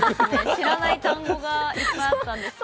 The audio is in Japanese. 知らない単語がいっぱいあったんですけど。